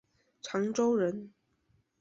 长洲人。